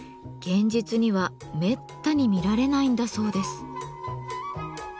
現実にはめったに見られないんだそうです。